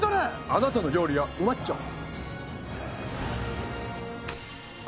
あなたの料理はうまっちょあ！